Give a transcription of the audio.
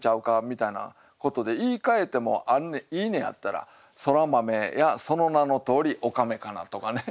みたいなことで言い換えてもいいねやったら「そら豆やその名の通りおかめかな」とかね。